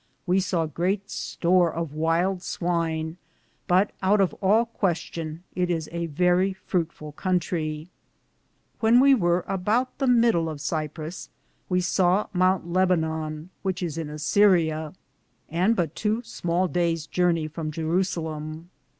We saw great store of wylde swyne ; but, out of all question, it is a verrie fruitful contrie. When we weare about the mydle of Siprus, we sawe the Mounte Lebynus, which is in Assirria, and but tow smale dayes Journaye from Jerusalem.